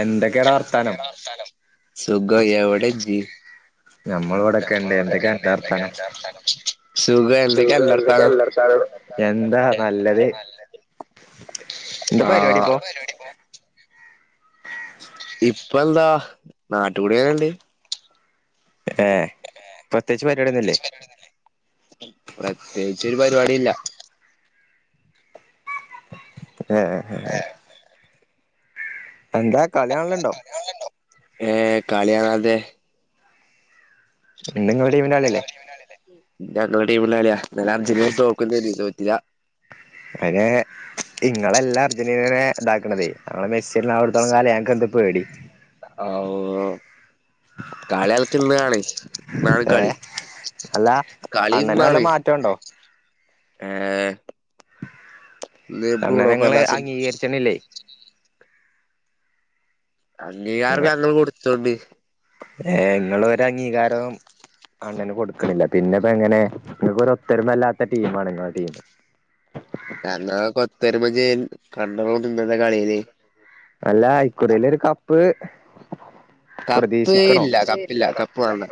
എന്തൊക്കെയാടാ വർത്താനം സുഖം എവടെ ജ് ഞമ്മൾ ഇവിടെക്കെ ണ്ട് എന്തൊക്കെഅന്റെർത്താനം സുഖം എന്തൊക്കെ അന്റെ വർത്താനം എന്താ നല്ലത് എന്താ പരിപാടി ആഹ് പ്പോ ഇപ്പ എന്താ നാട്ടുകൂടി ങ്ങനണ്ട് ഏ പ്രത്യേകിച്ച് പരിപാടിയൊന്നുല്ലേ പ്രത്യേകിച്ചൊരു പരിപാടി ഇല്ല ആഹ ഹ എന്താ കളിയാണല്ണ്ടോ ഏ കളിയാണാതെ ന്ന് ങ്ങളെ ടീമിന്റെ കളിയല്ലേ ഞങ്ങളുടെ ടീമിന്റെ കളിയാ ഇന്നലെ അർജന്റീന തോക്കുന്നതിനി തോറ്റില്ല അയ്ന് ഇങ്ങളെല്ലാം അർജന്റീനനെ ഇതാ ക്ണതേ ഞങ്ങളെ മെസ്സി [unintelligible] ത്തോള കാല ഞങ്ങക്ക് എന്ത് പേടി ഔവൂ കളിൾക്ക് ഇന്നാണ് ഇന്നാണ് കളി ഏഹ് അല്ല കളി അണ്ണന് വല്ല ഇന്നാണ് മാറ്റോണ്ടോ ഏയ് അണ്ണനെ ങ്ങള് അംഗീകരിച്ചണില്ലേ അംഗീകാർ ങ്ങൾ കൊട് [unintelligible] ഏയ് ങ്ങള് ഒരഗീകാരം അണ്ണന് കൊടുക്കണില്ല പിന്നെ ഇപ്പ എങ്ങനെ നിങ്ങക്ക് ഒത്തരുമ ഇല്ലാത്ത ടീ മാണ്ങ്ങള ടീം ഞങ്ങളെ കൊത്തരുമജ് കണ്ടോളെന്റെ [unintelligible] കളില് നല്ല ഇക്കുറി ലൊരു ക [unintelligible] കപ്പ് ഇല്ല കപ്പില്ല കപ്പ് വാണ്ട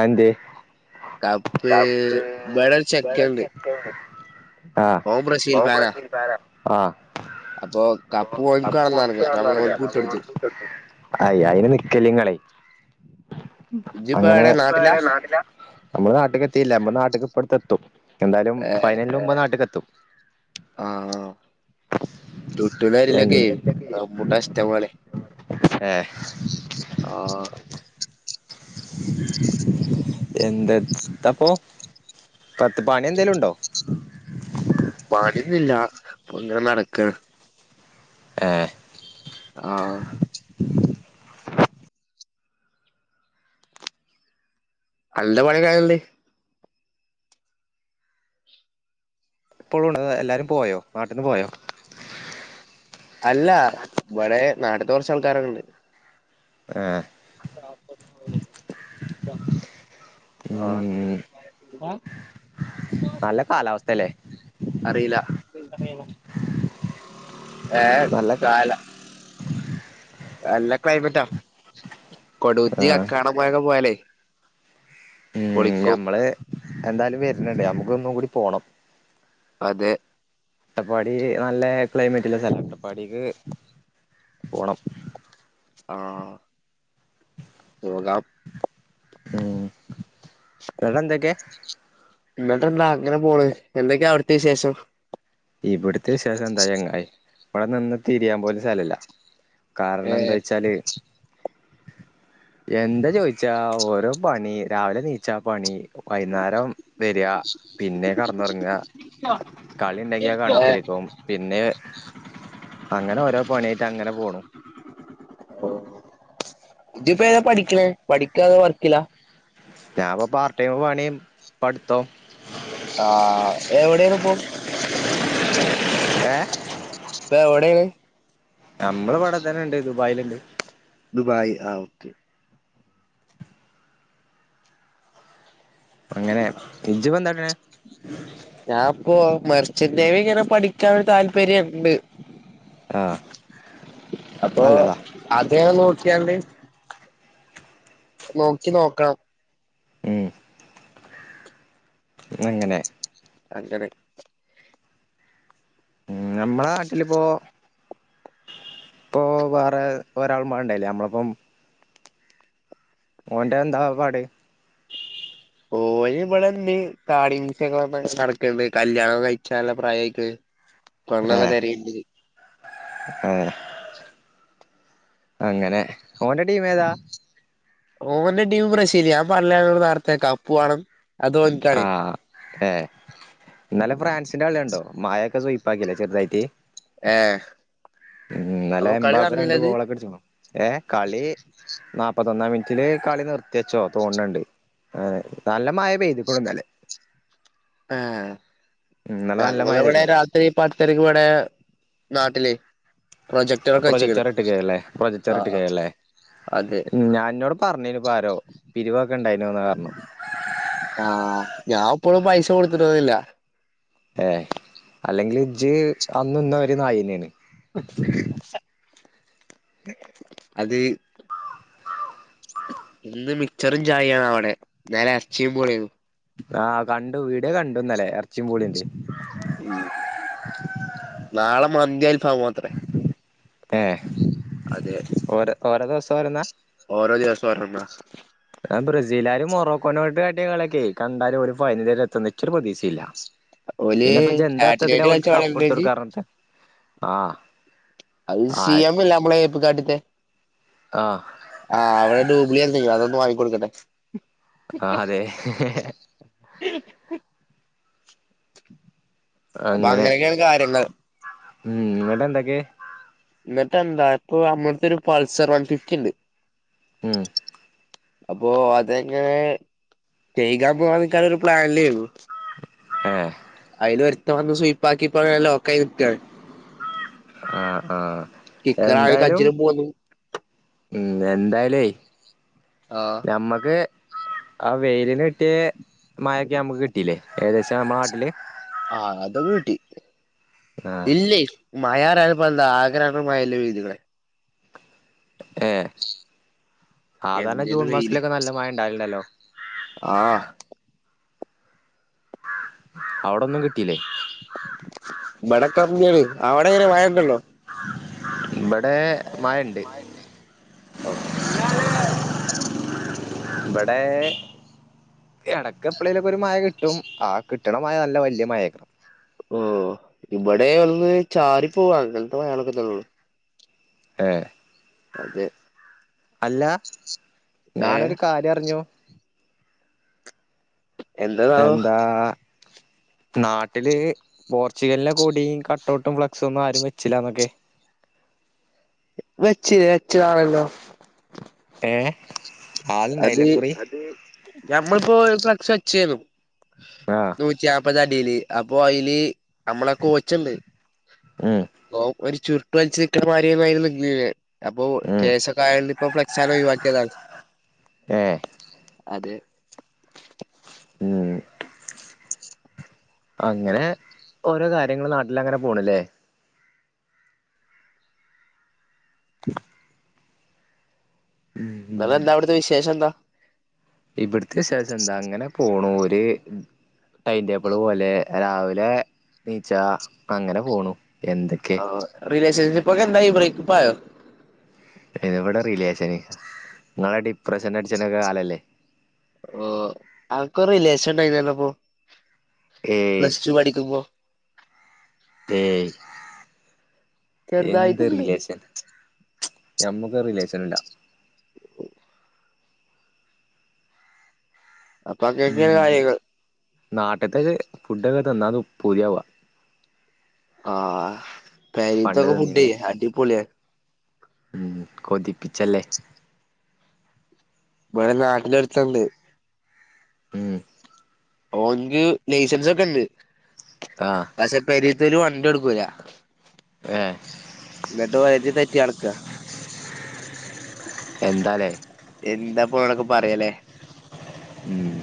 ആന്തേ കപ്പ് ബേടെ ചക്കണ്ട് ആഹ് ഓൻ ബ്രസീൽ ഫാനാ ആഹ് അപ്പൊ കപ്പു ഓൽ [unintelligible] ഐ അയിന് നിക്കല്ലിങ്ങളെ ഇജ്ജിപ്പ അങ്ങനെ എവിടെ ഇജ്ജ് പ്പൊ നാട്ടിലാ ടെ നാട്ടില നമ്മള് നാട്ട്കെത്തില്ല മ്മള് നാട്ടിക് പ്പട് തെത്തും എന്താലും ഫൈനൽന്റുമ്പേ നാട്ട്കെത്തും ആഹ ടുട്ടു ലരിലൊക്കെ റംമ്പുട്ടാഷ്ട്ട പോലെ ഏഹ് ആഹ എന്തത് തപ്പോ പത്ത് പണി എന്തെലുണ്ടോ ലില്ലാ പ്പോ ങ്ങനെ നടകാണ് ഏഹ ആഹ അല്ലാ പണി ക [unintelligible] ഇപ്പോളുണ്ടോ അത എല്ലാരും പോയോ നാട്ടിന്ന് പോയോ അല്ല വടെ നാട്ട്ത്തെ കൊർച്ച് ആൾക്കാരൊക്കണ്ട് ആഹ- ഉം ആഹ നല്ല കാലാവസ്ഥല്ലേ അറീല്ല പറയോ ഏഹ് നല്ല താല. നല്ല ക്ലൈമറ്റാ. കൊടൂത്തി ആഹ് കക്കാട പോയൊക്കെ പോയാലേ. ഉം പൊളിക്കും ഞമ്മള് എന്തായാലും വരണണ്ട് ഞമ്മ ഇവിടെ ഒന്നും കൂടി പോണം. അതെ. ക്ലൈമറ്റ് ഇല്ല സ്ഥലം അട്ടപ്പാടിക്ക് പോണം. ആഹ് പോകാം. മ്മ് ന്ന്ട്ട് എന്തൊക്കെ? എന്നിട്ട് എന്താ അങ്ങനെ പോണ് എന്തൊക്കെയാ അവിടത്തെ വിശേഷം? ഇവിടുത്തെ വിശേഷം എന്താ ചെങ്ങായി ഇവിടെ നിന്ന് തിരിയാൻ പോലും സ്ഥലല്ല. ഏ കാരണം എന്താ വെച്ചാല് എന്താ ചോയിച്ചാ ഓരോ പണി രാവിലെ നീച്ച പണി വൈകുന്നേരം വരിക പിന്നെ കടന്നറങ്ങ. കളി ഉണ്ടെങ്കി കണ്ടത്തിലെക്കോവും പിന്നെ അങ്ങനെ ഓരോ പണിയായിട്ട് അങ്ങനെ പോണു. ഓ ഇതിപ്പോ ഏതാ പഠിക്കണേ പഠി [unintelligible] വർക്കില്ല ഞാൻപ്പൊ പാർട്ട്ടൈം പണിം പടുത്തോ ആ എവിടൊണ് പോ ഏ പ എവ്ടെേണ് നമ്മള് ഇവടെത്തന്നെ ഉണ്ട് ദുബായില് ദുബായ് ആ ഓക്കെ അങ്ങനെ ഇജിപ്പം എന്താട്ടണേ മർച്ചന്റെദേവി ഇങ്ങനെ പഠിക്കാൻ ഒരു താല്പര്യംണ്ട് ആ നല്ലതാ ഇങനെ നോക്കിയാണ്ട് നോക്കി നോക്കണം ഹും ന്ന് എങ്ങനെ അങ്ങനെ ഉ നഞമ്മളെ നാട്ടിലിപ്പോൊ ഇപ്പൊ വേറെ ഒരാൾമാ ഉണ്ടല്ലേ നമ്മളപ്പം ഓന്റെ എന്താ പാട് ഓന് ഇവിടെന്ന് തടി മിസൊ നടക്കണ്ട് കല്യാണം കഴിച്ചല്ല പ്രായേക്ക് പെണ്ണൊക്കെ തെരണ്ട് ഹേ അങ്ങനെ ഓന്റെ ടീമ ഏതാ ഓഹന്റെ ടീം ബ്രസീല് ഞാൻ പറില്ല നേരത്തെ കപ്പു വാണം ആ ഏ എന്നാല ഫ്രാൻസിന്റെ കളിയുണ്ടോ മായൊക്കെ സുയ്പ്പാ സുയ്പ്പാക്കി ല്ലേ ചെർതായിട്ട് ഏ ഇന്നലെ അപ്പൊ കളി എംബാപ്പ രണ്ടു നടന്നില്ലത് ഗോളൊക്കെ അടിച്ചുകുണു ഏ കളി നാപ്പത്തി ത്തൊന്നാം മിനിറ്റില് കളി നിർത്തിച്ചോ തോണ് ണ്ട് നല്ല മഴ പെയ്തു ടുന്നല്ലേ ആ മഴ ഞങ്ങളവിടെ പെയ്തിക്ക്ണു രാത്രി പത്തരക്ക് ഇവിടെ നാട്ടില് പ്രൊജക്ടറൊക്കെ വെച്ച്ക്ക്ണ് പ്രൊജക്ടർ ഇട്ടുകയല്ലേ പ്രൊജക്ടർ ഇട്ടുകയല്ലേ അത് ഞാ എന്നോട് പറഞ്ഞേന്പ്പ ആരോ പിരിവക്കണ്ടായി [unintelligible] ആഹ് ഞാൻ ഇപ്പോഴും പൈസ കൊടുത്തിട്ടഒ ന്നില്ല ഏ അല്ലെങ്കിൽ ജ് അന്നന്ന ഒരുര് നായിനയാണ് [inaudible] അത് ഇന്ന് മിച്ചറും ചായയണവടെ ന്നലെ എറച്ചിയും പുളിം ആ കണ്ടു വീഡോ കണ്ടുന്നലേ എറച്ചി പൂളിന്റേം. ഉം നാളെ മന്തിയൽഫാമുമത്രെ. ഏ? ഓരോ ഓരോ ദിവസം വരുന്നാ [unintelligible] ആ ബ്രസീലാരും മൊറോക്കോനായിട്ട് കാട്ടിയ കളിയെക്കെ കണ്ടാലും ഓര് ഫൈനലെക്കെത്തുന്ന് നിക്കൊരു പ്രതീക്ഷയില്ല. ഓല് പിന്നെ ഇപ്പൊ ഇജ്ജ് എന്താ അർത്ഥത്തിലാ [unintelligible] ആ അത് സി എം മില്ലേ നമ്മളെ എപ്പികാട്ടിത്തെ ആ [unintelligible] വായികൊടുക്കട്ടെ. ആ അതെ. [unintelligible] അപ്പ അങ്ങനക്കെയാണ് കാര്യങ്ങൾ. മ് ന്നിട്ടെന്തെക്കെ? ന്നിട്ട് എന്താ ഇപ്പൊ അമ്മട്ത്തൊരു പൾസർ വൺ ഫിഫ്റ്റിണ്ട്. മ് അപ്പോ അതങ്ങനെ കെയ്കാൻ പോവാ നിക്കാനെരു പ്ലാനിലാരുന്നു. ആ അയിലൊരുത്തൻ വന്ന് സുയിപ്പാക്കിപ്പങ്ങനെ ലോക്കായ് നിക്കാണ്. ആഹ് ആഹ് ഇക്കറായ്ക്ക എന്തായാലും ജ്നുപോന്ന്‌. ഉം എന്തായ്ലുവേ ആഹ് നമ്മക്ക് ആ വെയിലന്ട്ടിയ മഴക്കെ അമ്മക്ക് കിട്ടിലേ ഏകദേശം മ്മ നാട്ടില്? ആ അതൊക്കെട്ടി. ആഹ് ഇല്ലേ? മഴറയാനിപ്പന്താ ആകെ രണ്ടെണ്ണം മഴയല്ലേ പെയ്തിക്കണേ. ഏ സആധാരണ എന്തേലും ജൂൺ വെയില് മാസത്തിലൊക്കെ നല്ല മഴ ഇണ്ടാവലുണ്ടല്ലോ? ആഹ് അവടൊന്നും കിട്ടീലേ? മ്പടെ കമ്മിയാണ് അവടെങ്ങനെയാ മഴണ്ടല്ലോ? ഇമ്പടെ മയണ്ട്. [unintelligible] ഇമ്പടെ എടക്കെപ്ലെലൊക്ക ഒരു മയ കിട്ടും ആ കിട്ടണ മയ നല്ല വെല്ല്യ മയാരിക്കും. ഓ ഇവടെ ഒന്ന് ചാറി പോവാ അങ്ങനത്തെ മയളൊക്കെതന്നെള്ളൂ. ഏ? അല്ല ഏഹ് ഞാനൊരു കാര്യം അറിഞ്ഞു. എന്തെന്നാവോ? എന്താ നാട്ടില് പോർച്ചുഗലിന്റെ കൊടിയും കട്ടഔട്ടും ഫ്ലക്സും ഒന്നും ആരും വെച്ചില്ല എന്നൊക്കെ വച്ചിലെ വച്ചതാണല്ലോ ഏ അത് ഞമ്മളിപ്പോ ഫ്ലെക്സ് ച്ചേതു ആഹ് നൂറ്റി നാൽപത് അടീല് അപ്പൊ അയില് നമ്മളൊക്കെ ഓച്ചണ്ട് ഉം [unintelligible] ക്ലച്‌ ക്ക്ണ മാര്യോന്നയ്ന് നിന്നീലെ അപ്പൊ ഉം കേശൊക്കെ ആയാല് പ്പൊ ഫ്ലക്സാണ്ട് ഒഴിവാക്കിയതാണ് ഏഹ് അതെ ഉംഹ് അങ്ങനെ ഓരോ കാര്യങ്ങള് നാട്ടിലങ്ങനെ പോണ് ലേ ന്നലെന്താ അവ്ട്ന്ന് വിശേഷെന്താ ഇവ്ട്ത്തെ വിശേഷെന്താ അങ്ങനെ പോണു ഒര് ടൈംടേബിൾ പോലെ രാവിലെ നീച്ച അങ്ങനെ പോണു എന്തൊക്കെ ഓഹ് റിലേ ഷൻഷിപ്പൊക്കെന്തായി ബ്രേക്കപ്പായോ? എവിടെ റിലേഷന്. ഇങ്ങളെ ഡിപ്രഷൻ അട്ച്ചണ്ടൊക്കെ കാലല്ലേ. ഓഹ് അവ്ക്കൊരു റിലേഷൻ ണ്ടായിന്യല്ലോ പ്പോ ഏയ് പ്ലസ് ടു പഠിക്കുമ്പോ തേയ് എന്ത് ചെറുതായിട്ടുണ്ട് റിലേഷൻ ഞമ്മക്കൊരു റിലേഷനുല്ല അപ്പൊ ഉം അങ്ങനെയൊക്കെയാണ് കാര്യങ്ങൾ നാട്ടത്താക്കെ ഫുഡൊക്കെ തിന്നാനു പുതിയാവാ ആഹ് പെരെത്തൊക്കെ ഫുഡ് തിന്നീനെ അടിപൊളിയാ ഉം കൊതിപ്പിച്ചല്ലേ ഇവിടെ നാട്ടില് ഒരുത്തൻണ്ട് ഉം ഓൻക്ക് ലൈസൻസൊക്കെ ഇണ്ട് ആഹ് പഷേ പെരീ ത്തോല് വണ്ടി കൊടുക്കൂല ഏഹ് ന്നട്ട് [unintelligible] തെറ്റി നടക്കാ എന്താലേ എന്താപ്പോ ഓലോടൊക്കെ പറയാലേ ഉം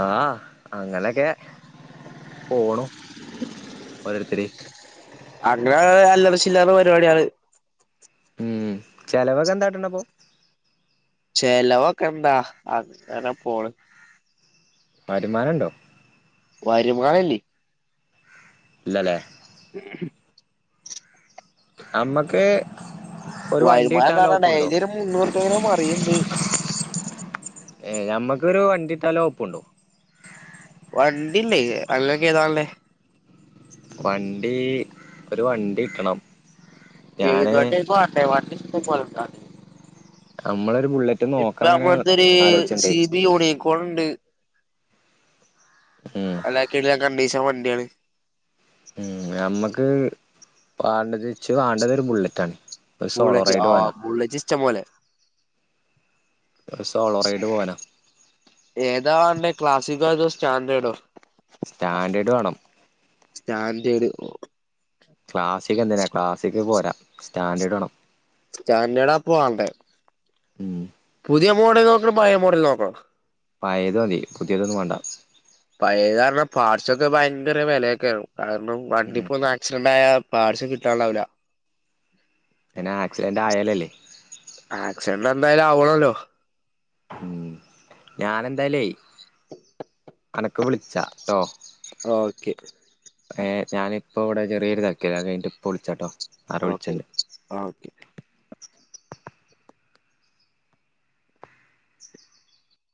ആഹ് അങ്ങനൊക്കെ പോണു ഓരോര്ത്തര് അങ്ങനെ അല്ലറ ചില്ലറ പരിപാടി ആള് ഉം ചെലവൊക്കെ എന്താട്ടുണപ്പോ? ചെലവൊക്കെ എന്താ അങ്ങനെ പോണ് വരുമാനുണ്ടോ? വരുമാനല്ലേ ഇല്ലലേ [unintelligible] അമ്മക്ക് വരുമാനം ന്ന് പറഞ്ഞാ ഡെയിലി ഒരു മുന്നൂറുപ്യ ഇങ്ങനെ മറിണ്ട്. [inaudible] ഏ ഞമ്മക്കൊരു വണ്ടി കിട്ടാല്ലെ വകുപ്പുന്ദൊ വണ്ടിണ്ട് [unintelligible] വണ്ടി ഒരു വണ്ടി കിട്ടണം ഞാന് [unintelligible] [unintelligible] നമ്മളൊരു ബുള്ളറ്റ് ഇപ്പൊ നോക്കാൻ അങ്ങനെ നമ്മളെടുതൊരു ആലോചിച്ചിണ്ട് സി ബി പോളുണ്ട് ഉം [unintelligible] കണ്ടീശൻ വണ്ടിയാണ് മ്മക്ക് വാണ്ടത് ഇച്ച് വാണ്ടത് ഒരു ബുള്ളറ്റ് ആണ്. ബുള്ളറ്റ് ആ ബുള്ളറ്റ് ഇഷ്ടം പോലെ ഒരു സോളോ റൈഡ് പോവാനാ ഏതാ വാണ്ടേ ക്ലാസിക്ക് അതോ ചാന്ദേടോ സ്റ്റാൻഡേർഡ് വേണം ഞാൻ തരു ക്ലാസിക് എന്തിനാ ക്ലാസിക് പോരാ! സ്റ്റാൻഡേർഡ് വേണം സ്റ്റാൻഡേർഡ് ആ ഇപ്പോ വാണ്ടേ ഉം പുതിയ മോഡൽ നോക്കണോ പയ മോഡൽ നോക്കണോ? പഴയത് മതി പുതിയതൊന്നും വേണ്ട പഴയത് പറഞാൽ പാർട്സൊക്കെ ഭയങ്കര വില എയ്കാരം കാരണം ഉം വണ്ടിപ്പോ ഒന്ന് ആക്സിഡന്റ് ആയാ പാർട്സ് കിട്ടാണ്ടാവൂല്ല പിന്നെ ആക്സിഡന്റ് ആയാലല്ലേ എന്ന എന്തായാലും ആവണല്ലോ ഉം ഞാനെന്തായാലും അനക്ക് വിളിച്ചാട്ടോ ഓക്കെ ഏ ഞാനിപ്പോ ഇവിടെ ചെറിയൊരു തെരക്കിലാ അത് കഴിഞ്ഞ് ഇപ്പോ വിളിച്ചാട്ടോ ആരോ ഓക്കെ വിളിച്ചിണ്ട് ആ ഓക്കെ